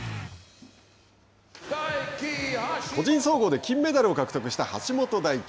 個人総合で金メダルを獲得した橋本大輝。